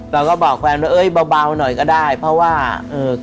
เราก็บอกแฟนว่าเอ้ยเบาหน่อยก็ได้เพราะว่าเอ่อ